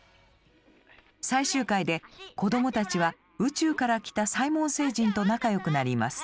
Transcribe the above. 最終回で子供たちは宇宙から来たサイモン星人と仲良くなります。